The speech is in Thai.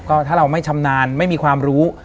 ก็ถ้าเราไม่ชำนาญไม่มีความรู้